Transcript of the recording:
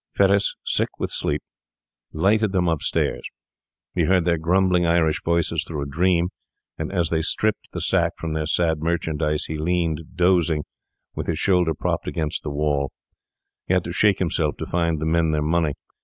Fettes, sick with sleep, lighted them upstairs. He heard their grumbling Irish voices through a dream; and as they stripped the sack from their sad merchandise he leaned dozing, with his shoulder propped against the wall; he had to shake himself to find the men their money.